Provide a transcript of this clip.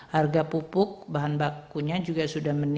harga pupuk bahan bakunya juga sudah meningkat